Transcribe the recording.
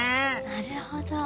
なるほど。